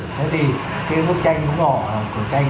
thế thì cái bức tranh ngũ hổ là hổ của tranh